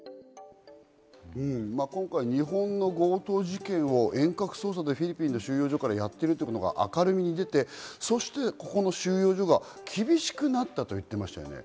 今回、日本の強盗事件を遠隔操作でフィリピンの収容所からやっているということが明るみに出て、そして、この収容所が厳しくなったと言っていましたね。